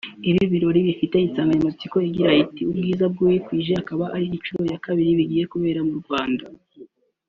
Ibi birori bifite insanganyamatsiko igira iti 'Ubwiza bw'uwikwije' akaba ari inshuro ya kabiri bigiye kubera mu Rwanda